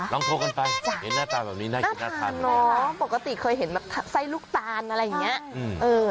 ลองโทรกันไปเห็นหน้าตาแบบนี้น่ากินน่าทานปกติเคยเห็นแบบไส้ลูกตาลอะไรอย่างเงี้ย